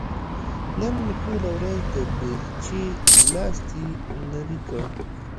نن مې ټوله ورځ د بېلچې لاستي نري کړ.